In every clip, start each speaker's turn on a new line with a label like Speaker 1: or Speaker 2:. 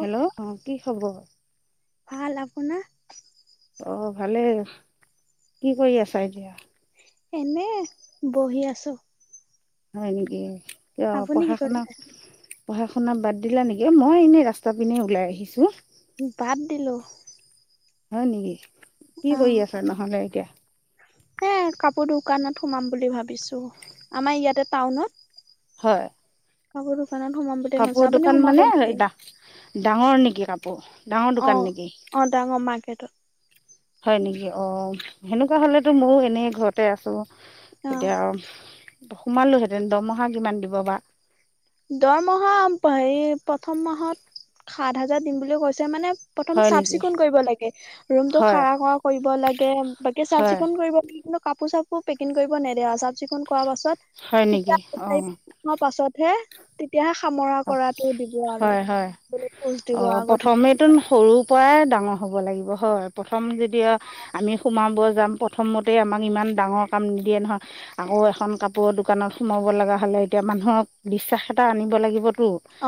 Speaker 1: Hello অ কি খবৰ [inaudible]
Speaker 2: ভাল আপোনাৰ
Speaker 1: অ ভালে কি কৰি আছা এতিয়া,
Speaker 2: এনে বহি আছো।
Speaker 1: হয় নেকি?
Speaker 2: আপুনি
Speaker 1: পঢ়া
Speaker 2: কি
Speaker 1: শুনা [inaudible] পঢ়া শুনা বাদ দিলা নেকি মই এনেই ৰাস্তা পিনে ওলাই আহিছো।
Speaker 2: বাদ দিলো [inaudible]
Speaker 1: হয় নেকি?? কি
Speaker 2: অ
Speaker 1: কৰি আছা নহলে এতিয়া,
Speaker 2: এ কাপোৰ দোকানত সোমাম বুলি ভাবিছো আমাৰ ইয়াতে টাউনত,
Speaker 1: হয়
Speaker 2: [unintelligible] বুলি ভাবিছো
Speaker 1: কাপোৰ
Speaker 2: আপুনি
Speaker 1: দোকান
Speaker 2: সোমাব
Speaker 1: মানে
Speaker 2: নেকি
Speaker 1: ডাঙৰ নেকি কাপোৰ ডাঙৰ
Speaker 2: অ
Speaker 1: দোকান নেকি?
Speaker 2: অ ডাঙৰ মাৰ্কেটত
Speaker 1: হয়নেকি অ', সেনেকুৱা হলেতো মও এনেই ঘৰতে আছো।
Speaker 2: অ
Speaker 1: এতিয়া আৰু সোমালো হেতেন দৰমহা কিমান দিব বা?
Speaker 2: দৰমহা হেৰি প্ৰথম মাহত সাত হাজাৰ দিম বুলি কৈছে মানে প্ৰথম
Speaker 1: হয়
Speaker 2: চাফ
Speaker 1: নেকি
Speaker 2: চিকুণ কৰিব লাগে ৰুমতটো
Speaker 1: হয়
Speaker 2: খাৰা খ কৰিব লাগে, বাকী চাফ
Speaker 1: হয়
Speaker 2: চিকুণ কৰিব লাগ কাপোৰ চাপোৰ পেকিং কৰিব নেদে চাফ চিকুণ কৰা পাছত
Speaker 1: হয় নেকি
Speaker 2: তেতিয়া চাৰি
Speaker 1: অ
Speaker 2: [unintelligible] পাচতহে [unintelligible]
Speaker 1: হয় হয়
Speaker 2: বেলেগ পোজ দিব
Speaker 1: অ',
Speaker 2: আগতহে
Speaker 1: প্ৰথমেটো সৰুৰ পৰাই ডাঙৰ হ'ব লাগিব হয় প্ৰথম দিয়া আমি সোমাব যাম প্ৰথমতেই আমাক ইমান ডাঙৰ কাম নিদিয়ে নহয়, আকৌ এখন কাপোৰৰ দোকানত সোমাব লগা হ'লে, এতিয়া মানুহক বিশ্বাস এটা আনিব লাগিব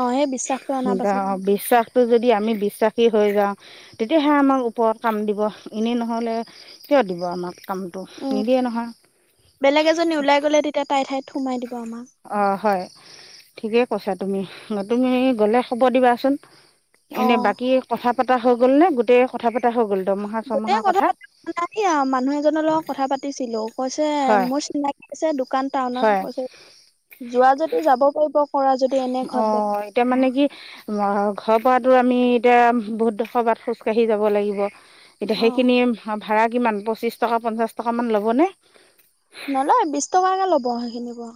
Speaker 2: অ সেই বিশ্বাসটো অনাৰ পাছত
Speaker 1: বিশ্বাসটো যদি আমি বিশ্বাসী হৈ যাওঁ তেতিয়াহে আমাক ওপৰত কাম দিব এনেই নহ'লে কিয় দিব আমাক। কামটো
Speaker 2: উম,
Speaker 1: নিদিয়ে নহয়
Speaker 2: বেলেগ এজনী ওলাই গলে তেতিয়া তাই ঠাইত থোমাই দিব আমাক
Speaker 1: অ', হয়। ঠিকেই কৈছা তুমি তুমি গ'লে খবৰ দিবাচোন।
Speaker 2: অ
Speaker 1: এনে বাকী কথা পতা হৈ গ'ল নে গোটেই কথা পাত
Speaker 2: গোটেই কথা পাতা নাই মানুহ এজনৰ লগত কথা পাতিছিলো। কৈছে
Speaker 1: হয়
Speaker 2: মোৰ চিনাকি আছে দোকান টাউনত
Speaker 1: হয়
Speaker 2: কৈছে যোৱা যদি যাব পাৰিব। কৰা যদি এনে ঘৰত দে
Speaker 1: অ', এতিয়া মানে কি অ' ঘৰৰ পৰাতো আমি এতিয়া বহুত [unintelligible] খোজকাঢ়ি যাব লাগিব। এতিয়া
Speaker 2: অ
Speaker 1: সেইখিনিয়ে ভাড়া কিমান পঁচিশ টকা পঞ্চাশ টকা মান ল'বনে?
Speaker 2: নলয় বিশ টকাকে ল'ব সেইখিনি পৰা।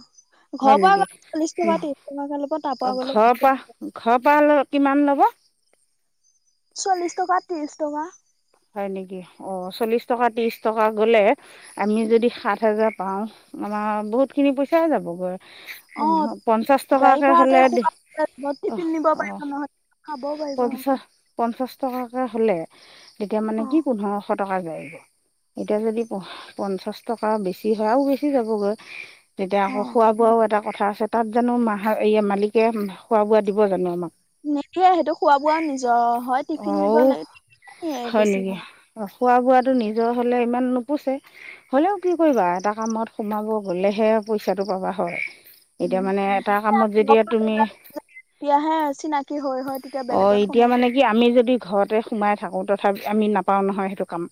Speaker 2: ঘৰৰ
Speaker 1: হয়
Speaker 2: পৰা গ'লে চল্লিশ
Speaker 1: নেকি
Speaker 2: টকা ত্ৰিশ টকাকে ল'ব তাৰ পৰা
Speaker 1: অ',
Speaker 2: গ'লে বিশ
Speaker 1: ঘৰৰ পা
Speaker 2: টকা
Speaker 1: ঘৰৰ পা কিমান লব?
Speaker 2: চল্লিশ টকা ত্ৰিশ টকা
Speaker 1: হয় নেকি অ', চল্লিশ টকা, ত্ৰিশ টকা, গ'লে আমি যদি সাত হাজাৰ পাও আমাৰ বহুত খিনি পইচা যাবগৈ।
Speaker 2: অ
Speaker 1: পঞ্চাশ
Speaker 2: গাড়ী
Speaker 1: টকাকে
Speaker 2: ভাড়াতে
Speaker 1: হলে দি
Speaker 2: খোৱা
Speaker 1: অ',
Speaker 2: টিফিন নিব পাৰিব নহয় খাব পাৰিব
Speaker 1: পঞ্চাশ পঞ্চাশ টকাকে হলে তেতিয়া মানে
Speaker 2: অ
Speaker 1: কি পোন্ধৰশ টকা যায়ব এতিয়া যদি পঞ্চাশ টকা বেছি হয়ও আৰু বেছি যাবগৈ। তেতিয়া
Speaker 2: অ
Speaker 1: আকৌ খোৱা বোৱাও এটা কথা আছে, তাত জানো মাহ মালিকে খোৱা বোৱা দিব জানো আমাক?
Speaker 2: নিদিয়ে সেইটো খোৱা বোৱা আৰু নিজৰ। হয় টিফিন নিব
Speaker 1: অঁ
Speaker 2: লাগিব
Speaker 1: হয় নেকি? অ খোৱা বোৱাটো নিজৰ হ'লে ইমান নোপচাই। হ'লেও কি কৰিবা এটা কামত সোমাব গ'লেহে পইচাটো পাবা হয়।
Speaker 2: উ
Speaker 1: এতিয়া মানে এটা কামত যেতিয়া তুমি
Speaker 2: তেতিয়াহে চিনাকি হৈ হৈ তেতিয়া
Speaker 1: অঁ
Speaker 2: বেলেগত
Speaker 1: এতিয়া
Speaker 2: সোমাই
Speaker 1: মানে কি আমি যদি ঘৰতে সোমাই থাকোতে তথাপি আমি নাপাওঁ নহয় সেইটো কাম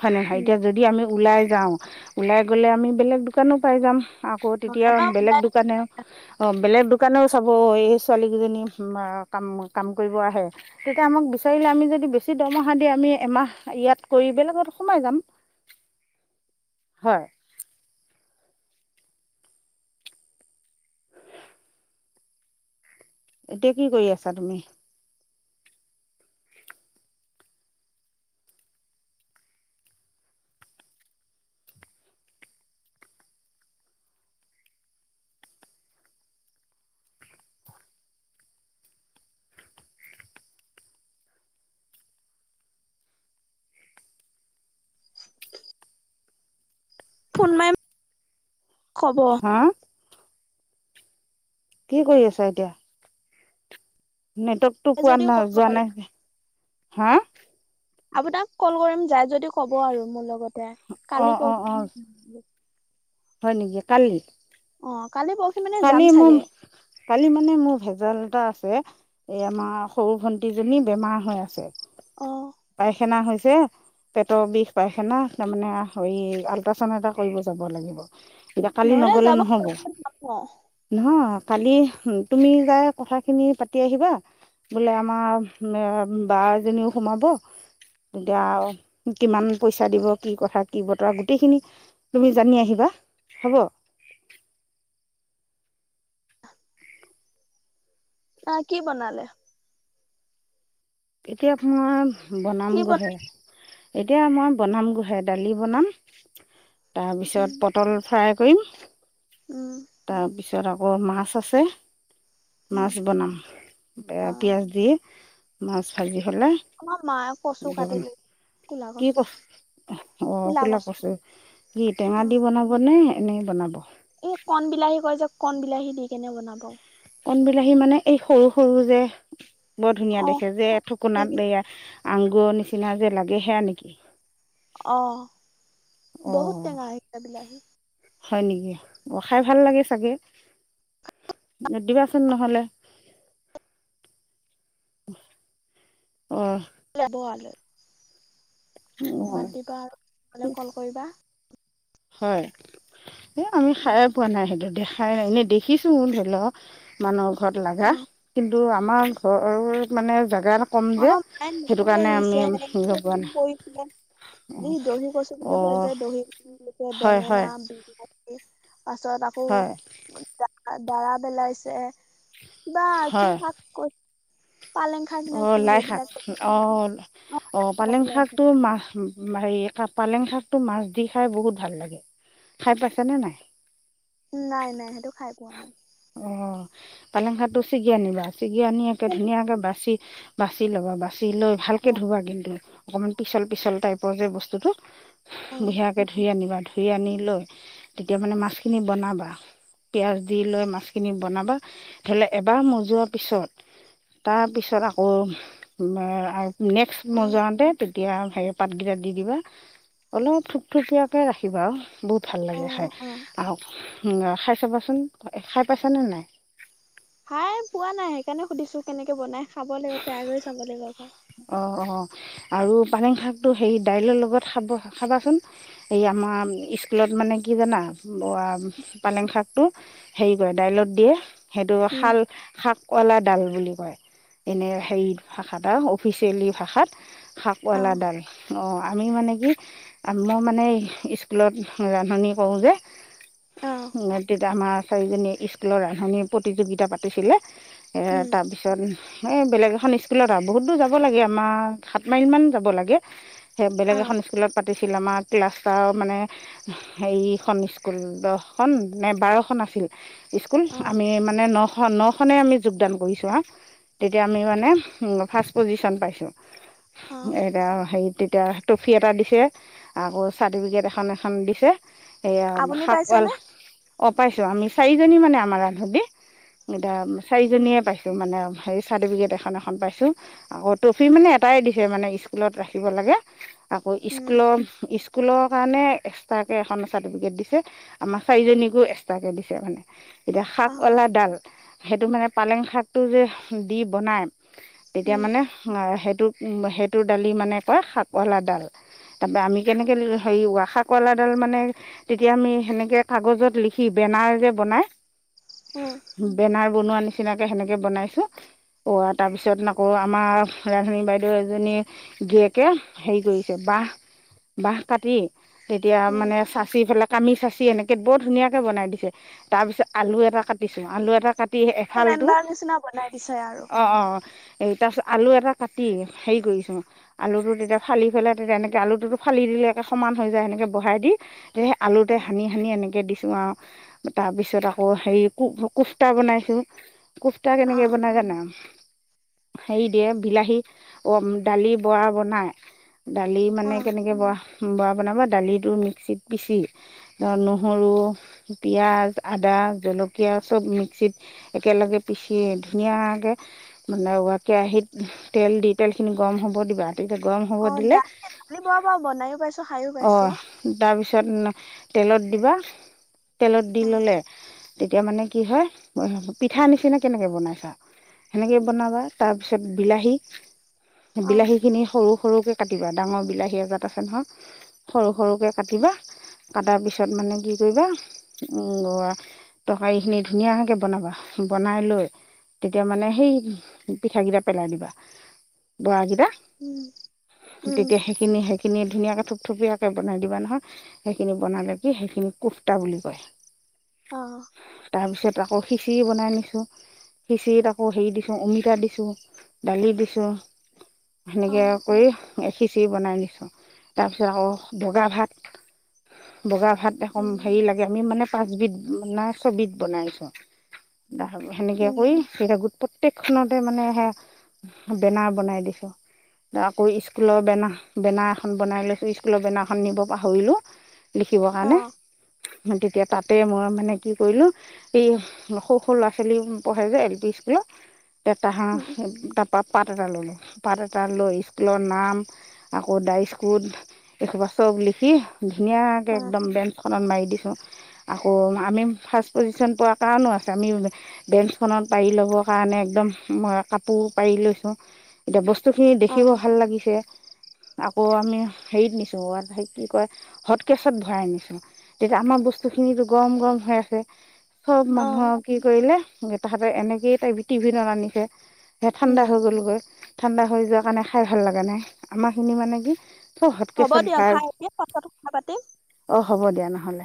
Speaker 1: হয় নে নহয়?
Speaker 2: উম
Speaker 1: এতিয়া যদি আমি ওলাই যাওঁ ওলাই গ'লে আমি বেলেগ দোকানো পাই যাম। আকৌ তেতিয়া
Speaker 2: এবাৰ
Speaker 1: বেলেগ
Speaker 2: ওলাই
Speaker 1: দোকানে অ বেলেগ দোকানেও দোকানেও চাব এই ছোৱালীকেইজনী কাম কাম কৰিব আহে আমি এমাহ ইয়াত কৰি বেলেগত সোমাই যাম। হয় এতিয়া কি কৰি আছা তুমি?
Speaker 2: ফোন মাৰিম। কবৰ
Speaker 1: হা কি কৰি আছা এতিয়া? নেটৱৰ্কতটো
Speaker 2: যাই
Speaker 1: পোৱা
Speaker 2: যদি
Speaker 1: নাই।
Speaker 2: ক'ব
Speaker 1: যোৱা
Speaker 2: আৰু
Speaker 1: নাই হা
Speaker 2: আপোনাক কল কৰিম।
Speaker 1: অঁ
Speaker 2: কালি
Speaker 1: অঁ অঁ
Speaker 2: পৰহি।
Speaker 1: হয় নেকি? কালি
Speaker 2: অ কালি পৰহি মানে যাম
Speaker 1: কালি মোৰ
Speaker 2: চাগে
Speaker 1: কালি মানে মোৰ ভেজাল এটা আছে। এই আমাৰ সৰু ভণ্টিজনী বেমাৰ হৈ আছে।
Speaker 2: অ
Speaker 1: পায়খানা হৈছে পেটৰ বিষ পাইখানা। তাৰমানে হেৰি আল্ট্ৰাচাউণ্ড এটা কৰিব যাব লাগিব। কিবা কালি
Speaker 2: নহ'লে
Speaker 1: নগ'লে
Speaker 2: যাব
Speaker 1: নহব? নহয় কালি তুমি যাই কথাখিনি পাতি আহিবা। বোলে আমাৰ বা এজনীও সোমাব, তেতিয়া কিমান পইচা দিব কি কথা কি বতৰা গোটেইখিনি তুমি জানি আহিবা। হ'ব
Speaker 2: অহ কি বনালে?
Speaker 1: এতিয়া মই
Speaker 2: কি
Speaker 1: বনামগৈ
Speaker 2: বনালে
Speaker 1: হে এতিয়া মই বনামগৈ হে। দালি বনাম তাৰপিছত
Speaker 2: উম
Speaker 1: পটল ফ্ৰাই কৰিম
Speaker 2: উম।
Speaker 1: তাৰপিছত আকৌ মাছ আছে।
Speaker 2: উম
Speaker 1: মাছ বনাম এ
Speaker 2: অ
Speaker 1: পিয়াজ দি। মাছ ভাজি
Speaker 2: আমাৰ মায়ে কচু কাটিলে
Speaker 1: কি কচু? অ' ক'লা কচু। কি টেঙা
Speaker 2: অ
Speaker 1: দি বনাবনে? এনেই বনাব।
Speaker 2: এই কণ বিলাহী কয় যে কণ বিলাহী দি কেনে বনাব।
Speaker 1: কণ বিলাহী মানে এই সৰু সৰু যে বৰ ধুনীয়া
Speaker 2: অ
Speaker 1: দেখে যে ঠুকুনাত
Speaker 2: সেইকেইটা
Speaker 1: এইয়া আ আঙুৰৰ নিচিনা যে লাগে সেইয়া নেকি।
Speaker 2: অ, বহুত
Speaker 1: অঁ
Speaker 2: টেঙা এইগিতা বিলাহী।
Speaker 1: হয় নেকি অ খাই ভাল লাগে চাগে দিবাচোন নহ'লে। অ'।
Speaker 2: ল'ব আগে।
Speaker 1: অঁ
Speaker 2: মাতি বা আৰু নহ'লে কল কৰিবা।
Speaker 1: হয়। এ আমি খাইয়ে পোৱা নাই সেইটো দিয়া খাই এনে দেখিছোঁ ধৰি লওঁক মানুহৰ ঘৰত
Speaker 2: অ
Speaker 1: লাগা কিন্ কিন্তু আমাৰ ঘৰৰ মানে জেগা এটাত
Speaker 2: আমাৰ মায়ে নিজে
Speaker 1: হেৰি
Speaker 2: ৰুইছে,
Speaker 1: পোৱা নাই
Speaker 2: কৰিছিলে দহি কচু বুলি কয়
Speaker 1: অঁ
Speaker 2: যে দহি কচু বুলি কয়।
Speaker 1: হয় হয়
Speaker 2: বেঙেনা, বিলাহী। পাছত আকৌ
Speaker 1: হয়
Speaker 2: তা দাৰা বেলাইছে। বা কি
Speaker 1: হয়
Speaker 2: শাক কৈ পালেং শাক নে
Speaker 1: অঁ লাই শাক অ', অ', পালেং
Speaker 2: শাক
Speaker 1: শাকটো মাহ উম হেৰি পালেং শাকতটো মাছ দি খাই বহুত ভাল লাগে। খাই পাইছেনে নাই
Speaker 2: নাই নাই সেইটো খাই পোৱা নাই।
Speaker 1: অঁ পালেং শাকটো চিগি আনিবা। চিগি আনি একে
Speaker 2: কেনে
Speaker 1: ধুনিয়াকে বা চি বাচি ল'বা বাচ চি লৈ ভালকে
Speaker 2: অ',
Speaker 1: ধুবা কিন্তু অকমান পিছল পিছল টাইপ [unintelligible] যে বস্তুটো।
Speaker 2: অ',
Speaker 1: বঢিয়াকে ধুই আনিবা। ধুই আনি লৈ তেতিয়া মানে মাছখিনি বনাবা, পিয়াঁজ দি লৈ মাছখিনি বনাবা, ধৰি ললে এবাৰ মজোৱাৰ পিছত তাৰ পিছত তাৰপিছত আকৌ নেক্স
Speaker 2: অ',
Speaker 1: মজোৱাতে এতিয়া হেৰি পাতকেইটা দি দিবা অলপ থুপথুপিয়াকে ৰাখিবা আৰু বহুত ভাল লাগে
Speaker 2: অ',
Speaker 1: খাই।
Speaker 2: অ',
Speaker 1: আহক অ খাই চাবাচোন খাই পাইছানে নাই।
Speaker 2: খাই পোৱা নাই সেইকাৰণে সুধিছো কেনেকে বনাই। খাব লাগিব, ট্ৰাই কৰি চাব লাগিব আকৌ।
Speaker 1: অ' অ' আৰু পালেং শাকটো হেৰি দাইলৰ লগত খাব খাবাচোন, এই আমাৰ স্কুলত মানে কি জানা পালেং শাকটো হেৰি কৰে দাইলত দিয়ে। সেইটো
Speaker 2: উম,
Speaker 1: হাল শাক কলাডাল বুলি কয় এনে হেৰি ভাষাত আ অফিচিয়েলি ভাষাত শাক
Speaker 2: অ',
Speaker 1: পালাডাল অ' আমি মানে কি, মই মানে, স্কুলত ৰান্ধনি কৰোঁ যে।
Speaker 2: অ',
Speaker 1: [unintelligible] আমাৰ চাৰিজনীয়ে স্কুলৰ ৰান্ধনিৰ প্ৰতিযোগিতা পাতিছিলে। আৰু
Speaker 2: উম,
Speaker 1: তাৰপিছত এই বেলেগ এখন স্কুলত আৰু, বহুত দূৰ যাব লাগে আমাৰ, সাত মাইল মান যাব লাগে। সেই বেলগ
Speaker 2: অ',
Speaker 1: এখন স্কুলত পাত [unintelligible] আমাৰ ক্লাছটা মানে, হেইখন স্কুল দহখন নে বাৰখন আছিল। স্কুল,
Speaker 2: অ',
Speaker 1: আমি মানে ন নখনেই আমি যোগদান কৰিছোঁ আৰু তেতিয়া আমি মানে [unintelligible] পজিচন পাইছো,
Speaker 2: অ',
Speaker 1: এতিয়া হেৰিত তেতিয়া ট্ৰফি এটা দিছে, আকৌ চাৰ্টিফিকেট এখন এখন দিছে সেয়া
Speaker 2: আপুনি
Speaker 1: শাকোৱাল
Speaker 2: পাইছেনে?
Speaker 1: অ', পাইছোঁ। আমি চাৰিজনী মানে আমাৰ [unintelligible] [unintelligible]
Speaker 2: অ
Speaker 1: চাৰিজনীয়ে পাইছোঁ মানে আৰু হে চাৰ্টিফিকেট এখন এখন পাইছোঁ। আকৌ ট্ৰফি মানে এটাই দিছে মানে স্কুলত ৰাখিব লাগে। আকৌ
Speaker 2: উম,
Speaker 1: স্কুলৰ [unintelligible] স্কুলৰ কাৰণে এক্সট্ৰাকে এখন চাৰ্টিফিকেট দিছে, আমাৰ চাৰিজনীকো এক্সট্ৰাকে দিছে মানে। এতিয়া শাক
Speaker 2: অ',
Speaker 1: ৱালা ডাল সেইটো মানে পালেং শাকটো যে দি বনাই এতিয়া
Speaker 2: উম,
Speaker 1: মানে, মই হেড টি টোক সেইটোৰ দালি মানে কা শাকলাডাল তাৰ পৰা আমি কেনেকে হেৰি শাকৱালাডাল মানে তেতিয়া আমি সেনেকে কাগজত লিখি বেনাৰ যে বনাই
Speaker 2: উম,
Speaker 1: বেনাৰ বনোৱা নিচিনাকে সেনেকে বনাইছোঁ, অ তাৰ পিছত আকৌ আমাৰ ৰান্ধনী বাইদেউ এজনীৰ গিৰিয়েকে হেৰি কৰিছে, বাঁহ বাঁহ কাটি তেতিয়া
Speaker 2: উম,
Speaker 1: মানে চাচি পেলা কামি চাচি এনেকে বৰ ধুনীয়াকে বনাই দিছে। তাৰপিছত আলু এটা কাটিছোঁ, আলু এটা কাটি এফালটো
Speaker 2: কেলেণ্ডাৰ নিচিনা বনাই দিছে আৰু
Speaker 1: অ অ এই তাৰপিছত আলু এটা কাটি হেৰি কৰিছোঁ, আলুটো তেতিয়া ফালি পেলাই, তেতিয়া এনেকৈ আলুটোতো ফালি দিলে একে সমান হৈ যায়, সেনেকৈ বহাই দি দি আলুতে
Speaker 2: অ',
Speaker 1: সানি সানি এনেকে দি আৰু তাৰ পিছত আকৌ হেৰি কোফ্তা বনাইছোঁ কুফ্তা কেনেকে
Speaker 2: অ',
Speaker 1: বনাই জানা হেৰি দিয়ে বিলাহী, দালি বৰা বনাই দালিৰ মানে
Speaker 2: অ',
Speaker 1: কেনেকে বৰা বৰা বনাব দালিটো মিক্সিত পিচি ধ নহৰু পিয়াঁজ আদা জলকীয়া চব মিক্সিত একেলগে পিচি ধুনীয়াকে মিলা ই কেৰাহীত তেল দি তেলখিনি গৰম হ'ব দিবা তেতিয়া গৰম হ'ব
Speaker 2: অ,
Speaker 1: দিলে
Speaker 2: দালি দালি বৰ‌ বাও বনায়ো পাইছোঁ, খায়ো
Speaker 1: অঁ
Speaker 2: পাইছোঁ
Speaker 1: তাৰপিছত তেলত দিবা তেলত দি
Speaker 2: অ',
Speaker 1: ল'লে তেতিয়া মানে কি হয়? পিঠাৰ নিচিনা কেনেকৈ বনাইছা? সেনেকৈ বনাবা তাৰপিছত বিলাহী
Speaker 2: অ',
Speaker 1: বিলাহীখিনি সৰু-সৰুকে কাটিবা, ডাঙৰ বিলাহী এজাত আছে নহয়, সৰু সৰুকৈ কাটিবা। কটাৰ পিছত মানে কি কৰিবা? উম, তৰকাৰীখিনি ধুনীয়াকে বনাবা। বনাই লৈ, তেতিয়া মানে, সেই পিঠাকেইটা পেলাই দিবা, বৰাগি
Speaker 2: উম, উম,
Speaker 1: তেতিয়া সেইখিনি, সেইখিনিত ধুনীয়াকে থুপথপীয়াকৈ বনাই দিবা নহয়। সেইখিনি বনালে কি? সেইখিনি কোফটা বুলি কয়।
Speaker 2: অ'।
Speaker 1: তাৰপিছত আকৌ খিচিৰি বনাই নিছোঁ। খিচিৰিত আকৌ হেৰি দিছোঁ, অমি টা দিছো দালি দিছোঁ সেনেকে
Speaker 2: অ',
Speaker 1: কৰি খিচিৰি বনাই নিছোঁ, তাৰপিছত আকৌ বগা ভাত বগা ভাত এক
Speaker 2: উম,
Speaker 1: [unintelligible] হেৰি লাগে, আমি মানে পাঁচবিধ নাই ছবিধ বনাইছোঁ সেনেকে
Speaker 2: উম,
Speaker 1: কৰি সেই গোট প্ৰত্যেক সেই খনতে মানে সে বেনাৰ বনাই দিছো। আকৌ স্কুলৰ বেনাৰ-বেনাৰ এখন বনাই লৈছো স্কুলৰ বেনাৰখন নিব পাহৰিলো। লিখিবৰ কাৰণে
Speaker 2: অ',
Speaker 1: তেতিয়া তাতে মই মানে কি কৰিলো এই সৰু-সৰু ল'ৰা ছোৱালী পঢ়াই যে এল পি স্কুলত। তেটা হা
Speaker 2: উম,
Speaker 1: তাত পা-পাত এটা ল'লোঁ পাত এটা লৈ স্কুলৰ নাম আকৌ ডাই স্কুল এইসোপা চব লিখি। ধুনীয়াকে
Speaker 2: অ',
Speaker 1: একদম বেঞ্চখনত মাৰি দি, আকৌ আমি ফাৰ্ষ্ট পোজিশন পোৱাৰ কাৰণো আছে আমি বেঞ্চখনত পাৰি ল'বৰ কাৰণে একদম মই কাপোৰ পাৰি লৈছো। এতিয়া বস্তু খিনি দেখিব
Speaker 2: অ',
Speaker 1: ভাল লাগিছে আকৌ আমি হেৰিত নিছো কি কয় হট কেচত ভৰাই নিছো তেতিয়া আমাৰ বস্তু খিনিটো গৰম-গৰম হৈ আছে। সব
Speaker 2: অ',
Speaker 1: মানুহক কি কৰিলে? অ তাহাতে এনেকেইটো টিভি নানি এক সে ঠাণ্ডা
Speaker 2: উম
Speaker 1: হৈ গ'লগৈ। ঠাণ্ডা হৈ যোৱা কাৰণে খাই ভাল লগা নাই আমাৰ খিনি মানে কি চব
Speaker 2: হ'ব
Speaker 1: হটকেছত
Speaker 2: দিয়ক
Speaker 1: ভৰাই
Speaker 2: খা এতিয়া পাছত কথা পাতিম
Speaker 1: অঁ হ'ব দিয়া নহ'লে।